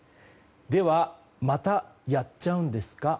では、またやっちゃうんですか？